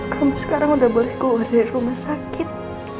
kamu sekarang udah boleh keluar dari rumah sakit